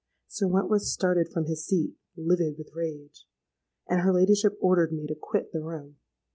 '—Sir Wentworth started from his seat, livid with rage; and her ladyship ordered me to quit the room.